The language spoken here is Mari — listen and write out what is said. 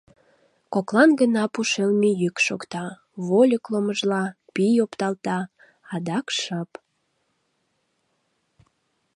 Коклан гына пу шелме йӱк шокта, вольык ломыжалта, пий опталта, адак шып...